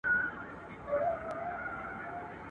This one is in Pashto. د آدم خان د رباب زور وو اوس به وي او کنه.